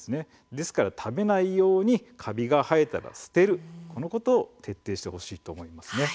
ですから食べないようにカビが生えたら捨てるということを徹底してほしいと思います。